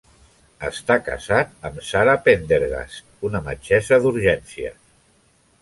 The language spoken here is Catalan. Està casat amb Sara Pendergast, una metgessa d'urgències.